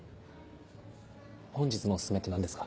「本日のおすすめ」って何ですか？